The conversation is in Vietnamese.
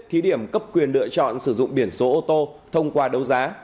thí điểm cấp quyền lựa chọn sử dụng biển số ô tô thông qua đấu giá